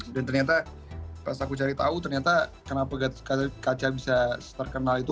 dan ternyata pas aku cari tahu ternyata kenapa gatot kaca bisa terkenal itu